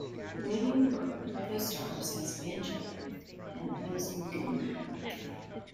William Berger co-stars as Banjo, an opposing gunman.